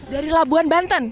dari labuan banten